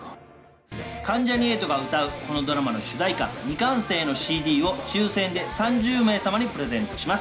関ジャニ∞が歌うこのドラマの主題歌『未完成』のＣＤを抽選で３０名様にプレゼントします。